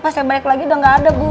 pas saya balik lagi udah gak ada bu